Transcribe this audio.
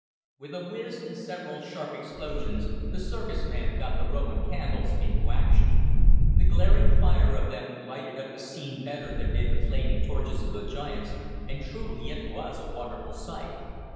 With a whizz, and several sharp explosions, the circus man got the Roman candles into action. The glaring fire of them lighted up the scene better than did the flaming torches of the giants, and truly it was a wonderful sight.